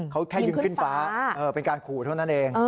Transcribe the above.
เขาแค่ยิงขึ้นฟ้าเป็นการขู่เท่านั้นเอง